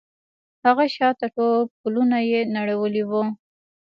هغه شاته ټول پلونه يې نړولي وو.